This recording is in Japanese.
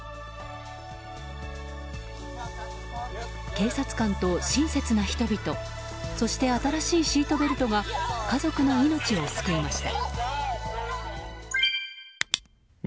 警察官と親切な人々そして新しいシートベルトが家族の命を救いました。